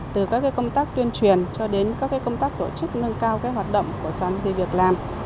từ các công tác tuyên truyền cho đến các công tác tổ chức nâng cao hoạt động của sàn dị việc làm